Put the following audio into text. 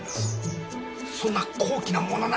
そんな高貴なものなのか！